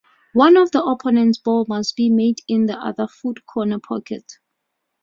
All of the opponent's balls must be made in the other foot corner pocket.